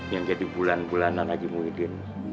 yang jadi bulan bulanan haji muhyiddin